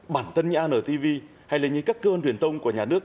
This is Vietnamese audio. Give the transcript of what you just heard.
bản thân như antv hay là như các cơ quan truyền thông của nhà nước